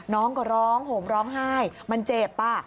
น้องก็ร้องห่มร้องไห้มันเจ็บ